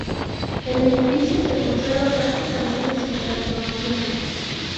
El edificio se conserva prácticamente sin transformaciones.